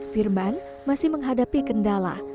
firman masih menghadapi kendala